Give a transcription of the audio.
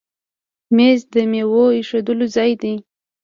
مېز د میوو ایښودلو ځای دی.